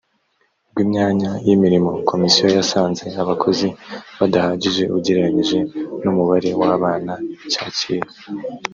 rw imyanya y imirimo komisiyo yasanze abakozi badahagije ugereranyije n umubare w abana cyakira